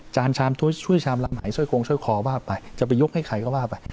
จานชามช่วยชามละไหมช่วยโครงช่วยคอว่าไปจะไปยกให้ใครก็ว่าไป